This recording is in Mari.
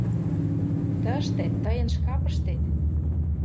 — Тыште, тыйын шкапыштет.